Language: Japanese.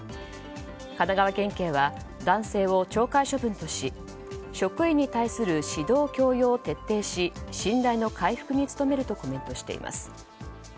神奈川県警は男性を懲戒処分とし職員に対する指導教養を徹底し信頼の回復に努めるとコメントしています。